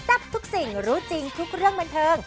ทับทุกสิ่งรู้จริงทุกเรื่องบันเทิง